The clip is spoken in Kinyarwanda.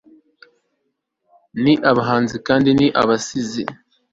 Ni abahinzi kandi ni abasizi